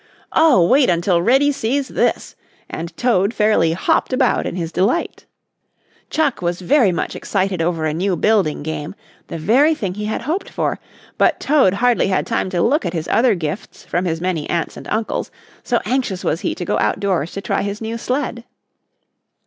"Oh, wait until Reddy sees this!" and Toad fairly hopped about in his delight. Chuck was very much excited over a new building game, the very thing he had hoped for, but Toad hardly had time to look at his other gifts from his many aunts and uncles, so anxious was he to go out doors to try his new sled.